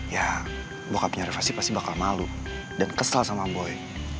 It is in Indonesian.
ya bokapnya reva sih pasti bakal malu dan kesel sama boy